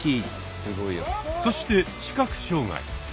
そして視覚障害。